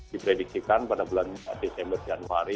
diprediksikan pada bulan desember januari